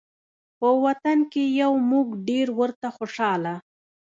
په وطن کې یو موږ ډېر ورته خوشحاله